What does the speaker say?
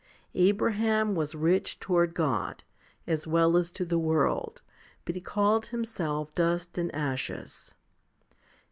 Abraham was rich toward God, as well as to the world, but he called himself dust and ashes.'